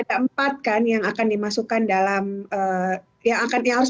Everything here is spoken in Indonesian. sampai dengan maksimum empat belas agustus